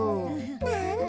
なんだ。